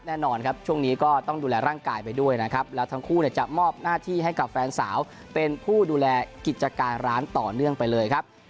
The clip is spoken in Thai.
แน่นอนครับช่วงนี้ก็ต้องดูแลร่างกายไปด้วยนะครับแล้วทั้งคู่จะมอบหน้าที่ให้กับแฟนสาวเป็นผู้ดูแลกิจการร้านต่อเนื่องไปเลยครับ